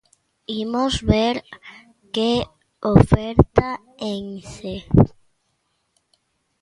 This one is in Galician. Imos ver que oferta Ence.